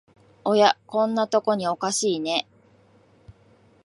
おや、こんなとこにおかしいね